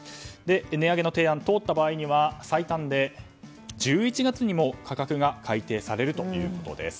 値上げの提案が通った場合には最短で１１月にも価格が改定されるということです。